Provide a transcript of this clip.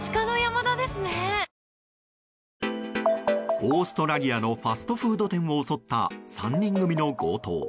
オーストラリアのファストフード店を襲った３人組の強盗。